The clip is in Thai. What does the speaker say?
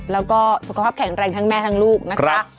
แล้วก็สุขภาพแข็งแรงทั้งแม่ทั้งลูกนะคะ